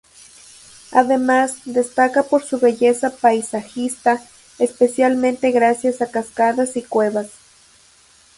Además, destaca por su belleza paisajística, especialmente gracias a cascadas y cuevas.